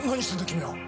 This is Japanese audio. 君は。